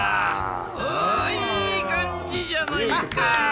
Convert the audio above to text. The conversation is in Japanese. おいい感じじゃないか。